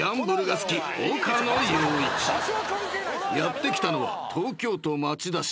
［やって来たのは東京都町田市］